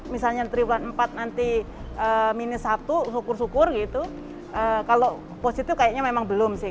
misalnya triwulan empat nanti minus satu syukur syukur gitu kalau positif kayaknya memang belum sih